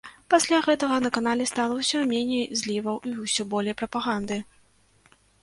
Пасля гэтага на канале стала ўсё меней зліваў і ўсё болей прапаганды.